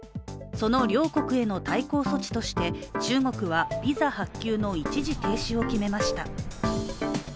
その両国への対抗措置として中国はビザ発給の一時停止を決めました。